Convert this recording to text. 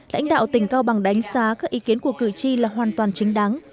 lãnh đạo tỉnh cao bằng đánh giá các ý kiến của cử tri là hoàn toàn chính đáng